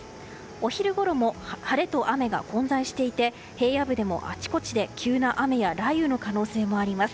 お昼ごろも晴れと雨が混在していて平野部でもあちこちで急な雨や雷雨の可能性があります。